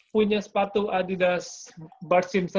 punya sepatu adidas bart simpson